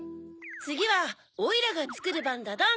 つぎはおいらがつくるばんだどん！